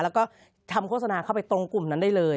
แล้วก็ทำโฆษณาเข้าไปตรงกลุ่มนั้นได้เลย